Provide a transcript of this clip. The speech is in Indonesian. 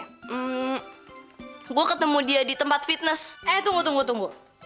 hmm gue ketemu dia di tempat fitness eh tunggu tunggu tunggu